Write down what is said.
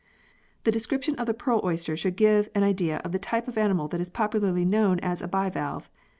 The description of the pearl oyster should give an idea of the type of animal that is popularly known as a bivalve.